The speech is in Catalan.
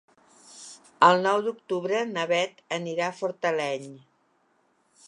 El nou d'octubre na Beth anirà a Fortaleny.